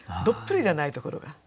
どっぷりじゃないところが。